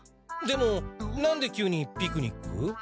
でも何で急にピクニック？